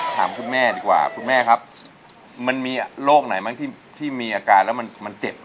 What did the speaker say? ถามคุณแม่ดีกว่าคุณแม่ครับมันมีโรคไหนบ้างที่มีอาการแล้วมันเจ็บ